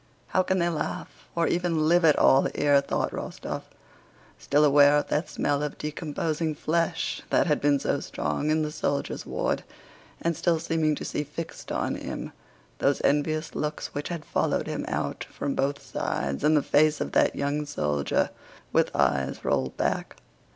"How can they laugh, or even live at all here?" thought Rostóv, still aware of that smell of decomposing flesh that had been so strong in the soldiers' ward, and still seeming to see fixed on him those envious looks which had followed him out from both sides, and the face of that young soldier with eyes rolled back.